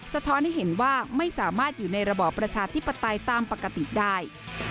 สะท้อนให้เห็นว่าไม่สามารถอยู่ในระบอบประชาธิปไตยตามปกติได้